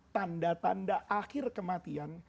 tanda tanda akhir kematian